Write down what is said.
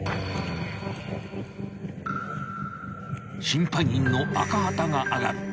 ［審判員の赤旗があがる］